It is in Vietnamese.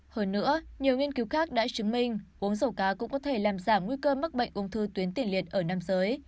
hơn nữa nhiều nghiên cứu khác đã chứng minh uống dầu cá cũng có thể làm giảm nguy cơ mắc bệnh ung thư tuyến tiền liệt ở nam giới